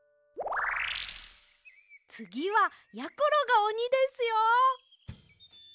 つぎはやころがおにですよ！